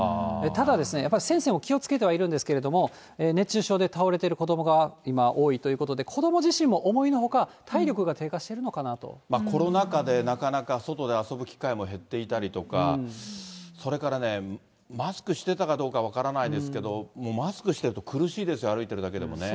ただですね、先生も気をつけてはいるんですけれども、熱中症で倒れてる子どもが今多いということで、子ども自身も思いのほか、体力が低下してるのかなと。コロナ禍でなかなか外で遊ぶ機会も減っていたりとか、それからね、マスクしてたかどうか分からないですけど、もうマスクしてると苦しいですよ、歩いてるだけでもね。